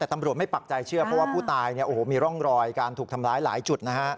แต่ตำรวจไม่ปักใจเชื่อเพราะว่าผู้ตายเนี่ยโอ้โหมีร่องรอยการถูกทำลายหลายจุดนะครับ